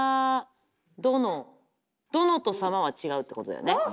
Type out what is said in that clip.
殿と様は違うってことだよね。